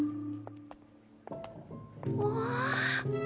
うわ！